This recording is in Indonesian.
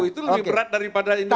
itu lebih berat daripada ini